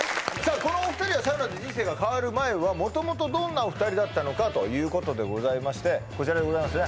このお二人はサウナで人生が変わる前は元々どんなお二人だったのかということでございましてこちらでございますね